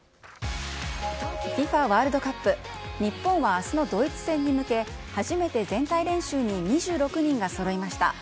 ＦＩＦＡワールドカップ、日本はあすのドイツ戦に向け、初めて全体練習に２６人がそろいました。